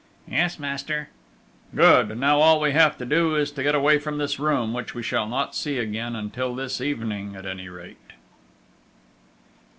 "Yes, master!" "Good! Now all we have to do, is to get away from this room, which we shall not see again ... until this evening at any rate!"